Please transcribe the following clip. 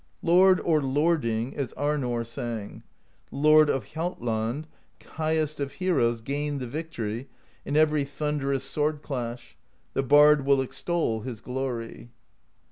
Lord or Lording, as Arnorr sang: The Lord of Hjaltland, highest Of heroes, gained the victory In every thunderous sword clash: The bard will extol his glory.